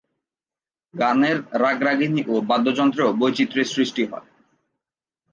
গানের রাগ-রাগিণী ও বাদ্যযন্ত্রেও বৈচিত্র্যের সৃষ্টি হয়।